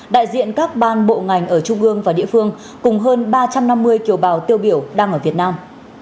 đại diện các ban bộ ngành ở trung ương và địa phương cùng hơn ba trăm năm mươi kiều bào tiêu biểu đang ở việt nam